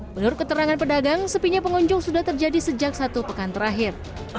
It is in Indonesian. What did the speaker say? menurut keterangan pedagang sepinya pengunjung sudah terjadi sejak satu pekan terakhir